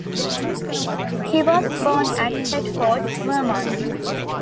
He was born at Thetford, Vermont.